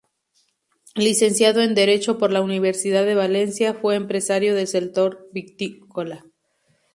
Licenciado en Derecho por la Universidad de Valencia, fue empresario del sector vitícola.